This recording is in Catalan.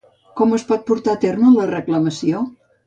Com es pot portar a terme la reclamació?